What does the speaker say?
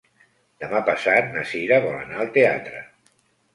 Demà passat na Sira vol anar al teatre.